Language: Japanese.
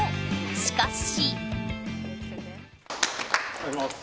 しかし。